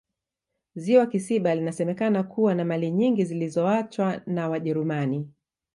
ziwa kisiba linasemekana kuwa na mali nyingi zilizoachwa na wajerumani